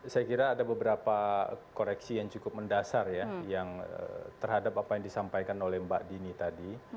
saya kira ada beberapa koreksi yang cukup mendasar ya yang terhadap apa yang disampaikan oleh mbak dini tadi